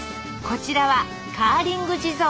こちらはカーリング地蔵。